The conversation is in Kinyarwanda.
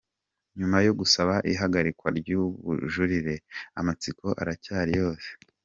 Nyuma yo gusaba ihagarikwa ry'ubujurire, amatsiko aracyari yose.